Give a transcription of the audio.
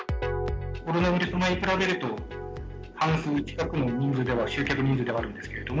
コロナウイルスの前と比べると、半数近くの人数、集客人数ではあるんですけれども、